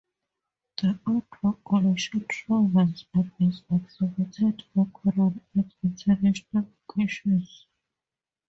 The artwork collection travels and is exhibited regularly at international locations.